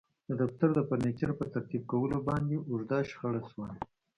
د دفتر د فرنیچر په ترتیب کولو باندې اوږده شخړه شوه